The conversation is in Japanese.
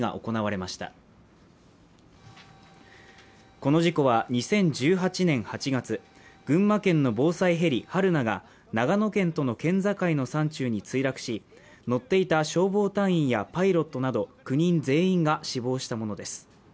この事故は２０１８年８月、群馬県の防災ヘリ「はるな」が長野県との県境の山中に墜落し、乗っていた消防隊員やパイロットなど９人全員が死亡したものです。